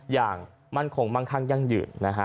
อย่างมั่นคงมั่งคั่งยั่งยืนนะฮะ